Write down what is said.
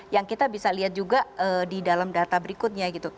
yang kita bisa lihat juga di dalam data berikutnya gitu